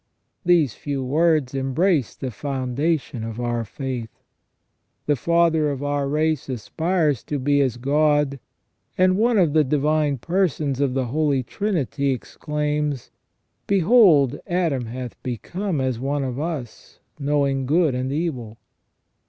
These few words embrace the foundation of our faith. The father of our race aspires to be as God, and one of the Divine Persons of the Holy Trinity exclaims :" Behold, Adam hath become as one of us, knowing good and evil